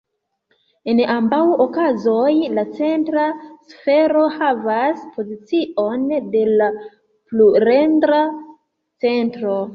En ambaŭ okazoj la centra sfero havas pozicion de la pluredra centro.